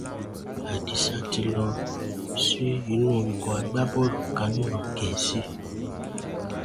Àdìsá ti lọ sí inú ikọ̀ agbábọ́ọ̀lù kan nílùú Gẹ̀ẹ́sì.